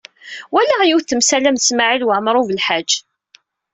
Walaɣ yiwet temsalam d Smawil Waɛmaṛ U Belḥaǧ.